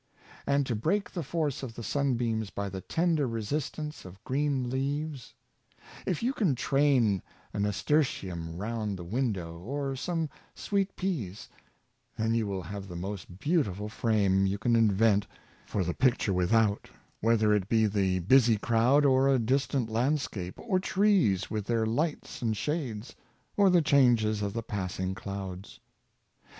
And to break the force of the sunbeams by the tender resist ance of green leaves? If you can train a nasturtium round the window, or some sweet pease, then you will have the most beautiful frame you can invent for the picture without, whether it be the busy crowd, or a distant landscape, or trees with their lights and shades, or the changes of the passing clouds.